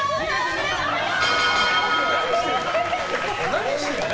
何してんの？